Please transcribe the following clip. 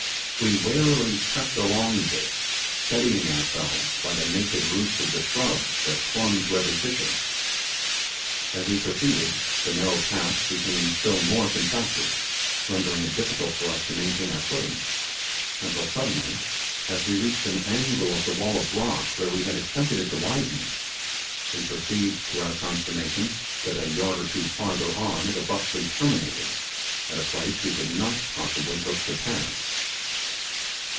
We warily crept along this, steadying ourselves by the naked roots of the shrubs that clung to every fissure. As we proceeded, the narrow path became still more contracted, rendering it difficult for us to maintain our footing, until suddenly, as we reached an angle of the wall of rock where we had expected it to widen, we perceived to our consternation that a yard or two further on it abruptly terminated at a place we could not possibly hope to pass.